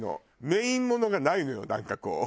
メインものがないのよなんかこう。